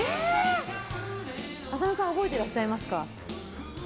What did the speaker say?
浅野さん覚えていらっしゃいますか？